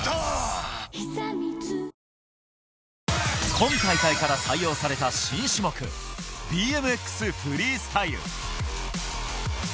今大会から採用された新種目、ＢＭＸフリースタイル。